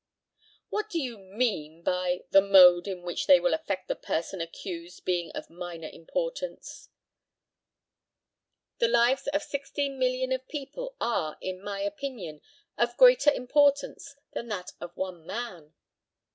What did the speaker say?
What do you mean by "the mode in which they will affect the person accused being of minor importance?" The lives of 16,000,000 of people are, in my opinion, of greater importance than that of one man.